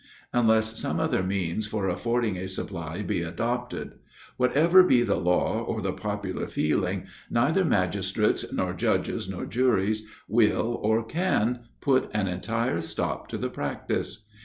Unless some other means for affording a supply be adopted; whatever be the law or the popular feeling, neither magistrates, nor judges, nor juries, will, or can, put an entire stop to the practice.